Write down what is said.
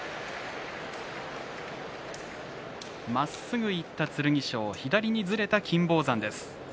まっすぐいった剣翔左にずれた金峰山です。